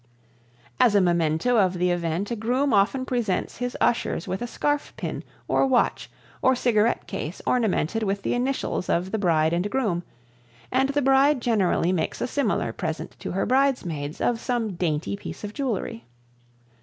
As a memento of the event a groom often presents his ushers with a scarf pin or watch or cigarette case ornamented with the initials of the bride and groom, and the bride generally makes a similar present to her bridesmaids of some dainty piece of jewelry.